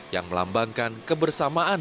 yang melambangkan kebersamaan